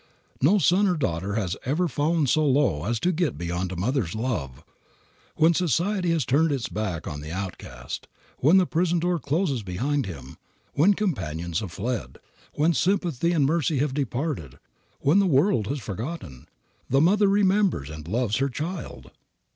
No son or daughter has ever fallen so low as to get beyond a mother's love. When society has turned its back on the outcast, when the prison door closes behind him, when companions have fled, when sympathy and mercy have departed, when the world has forgotten, the mother remembers and loves her child.